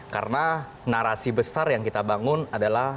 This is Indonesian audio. karena narasi besar yang kita bangun adalah